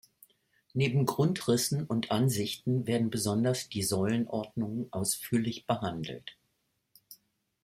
Neben Grundrissen und Ansichten werden besonders die Säulenordnungen ausführlich behandelt.